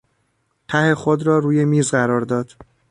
ته خود را روی میز قرار داد.